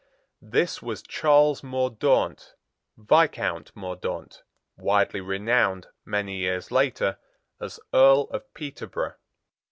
This was Charles Mordaunt, Viscount Mordaunt, widely renowned, many years later, as Earl of Peterborough.